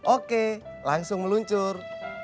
oke langsung meluncur